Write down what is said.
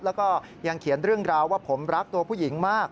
แล้วก็ยังเขียนเรื่องราวว่าผมรักตัวผู้หญิงมาก